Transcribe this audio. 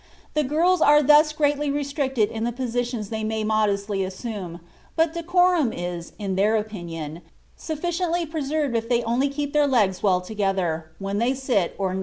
The girls are thus greatly restricted in the positions they may modestly assume, but decorum is, in their opinion, sufficiently preserved if they only keep their legs well together when they sit or kneel."